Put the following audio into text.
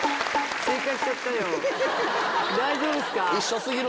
大丈夫ですか？